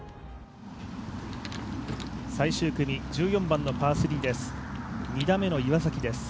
最終組、１４番のパー３です。